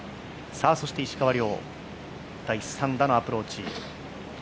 そして石川遼、第３打のアプローチ。